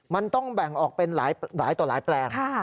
มันต้องแบ่งออกเป็นหลายต่อหลายแปลง